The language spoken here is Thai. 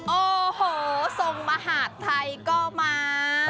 โอ้โหทรงมหาดไทยก็มา